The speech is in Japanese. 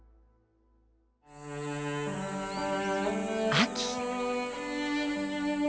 秋。